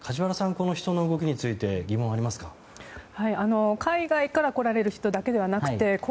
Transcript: この、人の動きについて疑問に思っていることはありますか？